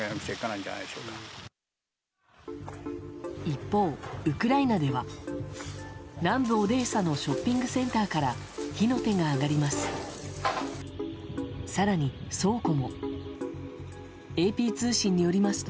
一方、ウクライナでは南部オデーサのショッピングセンターから火の手が上がります。